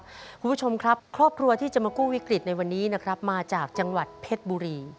คุณผู้ชมครับครอบครัวที่จะมากู้วิกฤตในวันนี้นะครับมาจากจังหวัดเพชรบุรี